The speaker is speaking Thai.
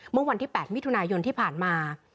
เมื่อวันที่๘มิถุนายนที่ผ่านมา